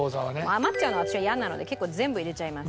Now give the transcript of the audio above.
余っちゃうのが私は嫌なので結構全部入れちゃいます。